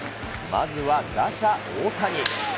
まずは、打者大谷。